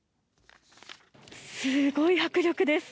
すごい迫力です。